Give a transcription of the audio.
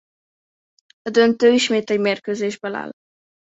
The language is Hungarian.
A döntő ismét egy mérkőzésből áll.